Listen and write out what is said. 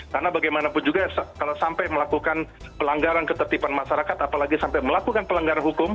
karena bagaimanapun juga kalau sampai melakukan pelanggaran ketertiban masyarakat apalagi sampai melakukan pelanggaran hukum